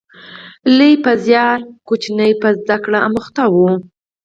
لوی په زیار، کوچنی په زده کړه اموخته و